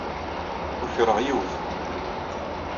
Ukreɣ yiwet.